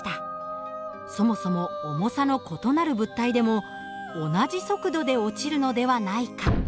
そもそも重さの異なる物体でも同じ速度で落ちるのではないか。